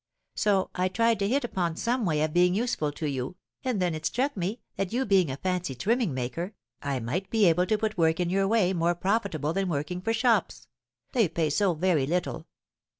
So I tried to hit upon some way of being useful to you, and then it struck me that you being a fancy trimming maker, I might be able to put work in your way more profitable than working for shops, they pay so very little.